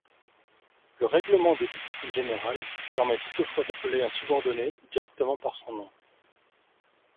Le règlement de discipline générale permet toutefois d'appeler un subordonné directement par son nom.